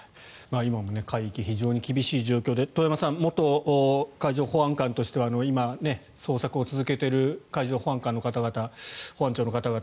今も海域は非常に厳しい状況で遠山さん元海上保安官としては今、捜索を続けている海上保安官の方々海上保安庁の方々